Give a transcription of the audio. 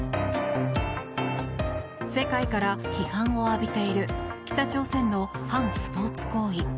世界から批判を浴びている北朝鮮の反スポーツ行為。